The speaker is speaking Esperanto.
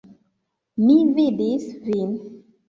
Mi vidis vin.